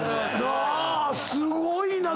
すごいな。